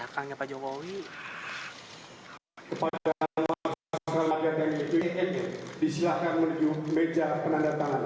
kepada marshal tengi j n e disilahkan menuju meja penanda tangan